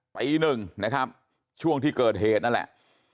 ปีหนึ่งนะครับช่วงที่เกิดเหตุนั่นแหละ